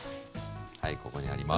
はいここにあります。